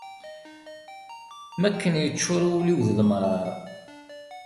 Mi akken yeččur wul-iw d lemṛaṛ.